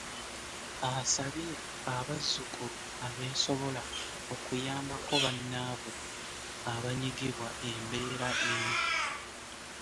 Asabye abazzukulu abeesobola okuyambako bannaabwe abanyigibwa embeera eno.